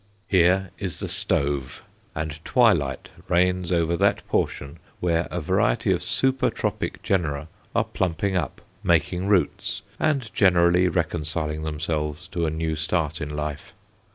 Here is the stove, and twilight reigns over that portion where a variety of super tropic genera are "plumping up," making roots, and generally reconciling themselves to a new start in life.